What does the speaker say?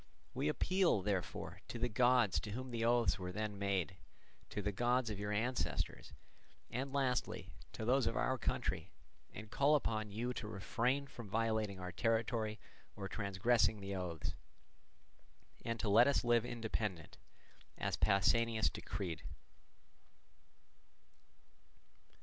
We appeal, therefore, to the gods to whom the oaths were then made, to the gods of your ancestors, and lastly to those of our country, and call upon you to refrain from violating our territory or transgressing the oaths, and to let us live independent, as Pausanias decreed."